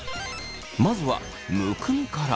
まずはむくみから。